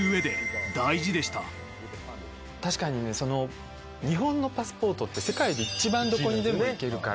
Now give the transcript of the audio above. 確かに日本のパスポートって世界で一番どこにでも行けるから。